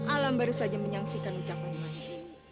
alam baru saja menyaksikan ucapan emas